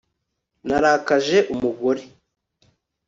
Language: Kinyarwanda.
Narakaje umugore